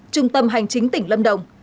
trung tâm hành chính tỉnh lâm đồng